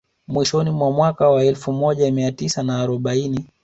Mwishoni mwa mwaka wa elfu moja mia tisa na arobaini